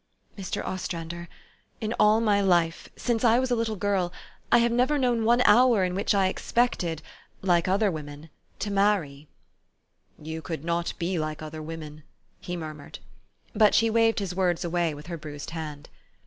" "Mr. Ostrander, in all my life since I was a little girl I have never known one hour in which I expected like other women to marry/' u You could not be like other women," he mur mured ; but she waved his words away with her bruised hand.